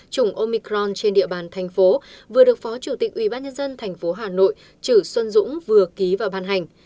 chủng omicron trên địa bàn thành phố vừa được phó chủ tịch ubnd tp hà nội chử xuân dũng vừa ký và ban hành